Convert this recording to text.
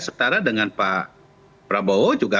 setara dengan pak prabowo juga